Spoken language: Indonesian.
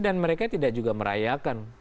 dan mereka tidak juga merayakan